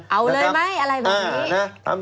เอาเลยไหมอะไรแบบนี้นะ